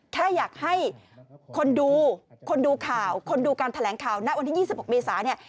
แค่อยากให้คนดูคนดูข่าวคนดูการแถลงข่าวณวันที่๒๖เมษาเนี่ย